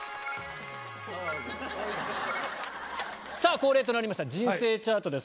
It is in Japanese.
恒例となりました「人生チャート」です